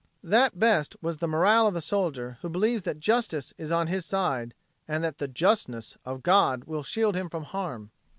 That best was the morale of the soldier who believes that justice is on his side and that the justness of God will shield him from harm.